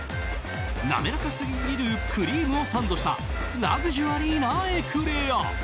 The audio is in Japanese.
滑らかすぎるクリームをサンドしたラグジュアリーなエクレア。